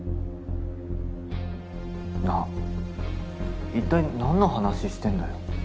なあ一体なんの話してんだよ？